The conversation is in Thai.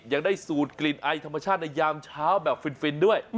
ยังได้สูตรกลิ่นไอธรรมชาติในยามเช้าแบบฟินด้วย